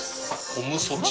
オムソチ？